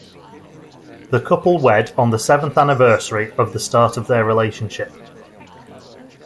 The couple wed on the seventh anniversary of the start of their relationship.